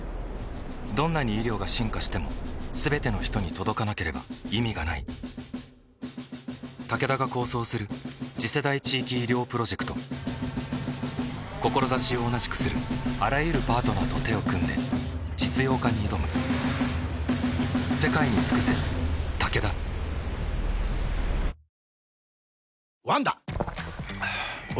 どんなに医療が進化しても全ての人に届かなければ意味がないタケダが構想する次世代地域医療プロジェクト志を同じくするあらゆるパートナーと手を組んで実用化に挑むえ？